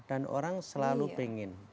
dan orang selalu ingin